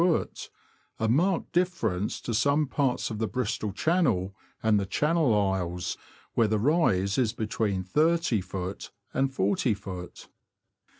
— a marked difference to some parts of the Bristol Channel and the Channel Isles, where the rise is between 30ft. and 40ft.